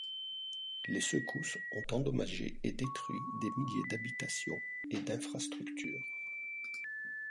Les secousses ont endommagé et détruit des milliers d'habitations et d'infrastructures.